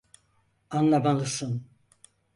Anlamalısın.